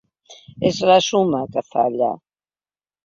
És la suma, que falla.